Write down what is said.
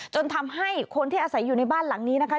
จนทำให้คนที่อาศัยอยู่ในบ้านหลังนี้นะคะ